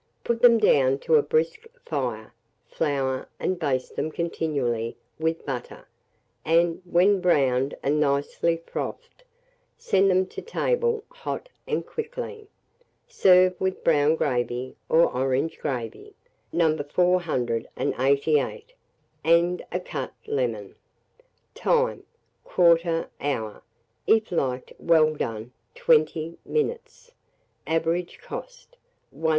Put them down to a brisk fire; flour, and baste them continually with butter, and, when browned and nicely frothed, send them to table hot and quickly. Serve with brown gravy, or orange gravy, No. 488, and a cut lemon. Time. 1/4 hour; if liked well done, 20 minutes. Average cost, 1s.